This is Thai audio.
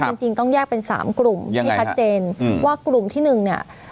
จริงจริงต้องแยกเป็นสามกลุ่มให้ชัดเจนว่ากลุ่มที่หนึ่งเนี่ย